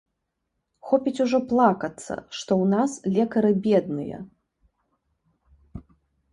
Хопіць ужо плакацца, што ў нас лекары бедныя.